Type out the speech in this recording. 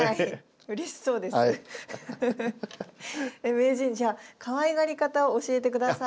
名人じゃあかわいがり方教えて下さい。